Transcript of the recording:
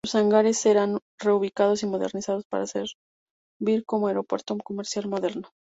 Sus hangares serán reubicados y modernizados para servir como aeropuerto comercial moderno.